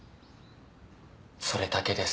それだけです。